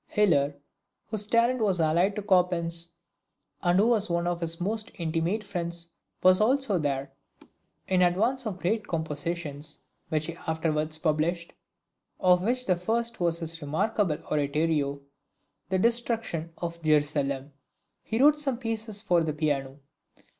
Hiller, whose talent was allied to Chopin's, and who was one of his most intimate friends, was there also. In advance of the great compositions which he afterwards published, of which the first was his remarkable Oratorio, "The Destruction of Jerusalem," he wrote some pieces for the Piano.